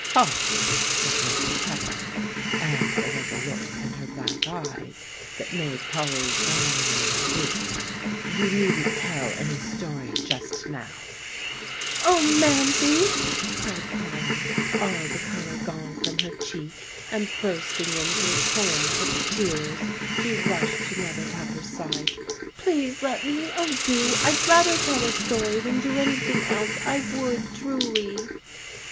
"Polly," said Mrs. Pepper, and there was a look in her black eyes that made Polly's brown ones droop, "you needn't tell any story just now." [Illustration: "Polly," said Mrs. Pepper, "you needn't tell any story just now."] "O Mamsie!" cried Polly, all the color gone from her cheek; and bursting into a torrent of tears she rushed to Mother Pepper's side, "please let me oh, do! I'd rather tell a story than do anything else; I would, truly."